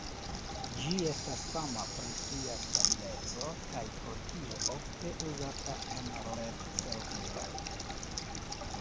Ĝi estas fama pri sia stabileco, kaj pro tio ofte uzata en ret-serviloj.